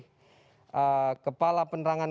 eee kepala penerangan